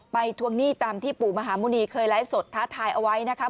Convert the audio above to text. ทวงหนี้ตามที่ปู่มหาหมุณีเคยไลฟ์สดท้าทายเอาไว้นะคะ